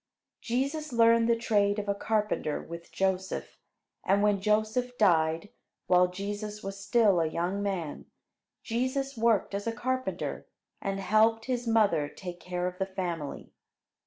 Jesus learned the trade of a carpenter with Joseph; and when Joseph died, while Jesus was still a young man, Jesus worked as a carpenter, and helped his mother take care of the family.